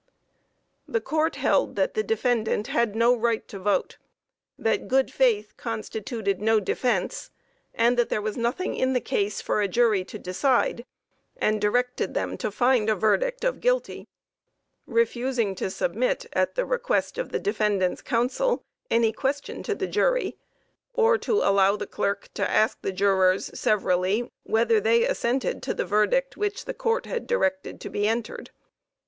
The court held that the defendant had no right to vote that good faith constituted no defence that there was nothing in the case for the jury to decide, and directed them to find a verdict of guilty; refusing to submit, at the request of the defendant's counsel, any question to the jury, or to allow the clerk to ask the jurors, severally, whether they assented to the verdict which the court had directed to be entered.